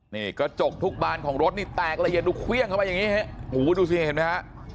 นี่ก็จกทุกบานของรถนี่แตกละเย็นดูเครื่องเข้าไปอย่างนี้ฮะโหดูสิเห็นมั้ยฮะ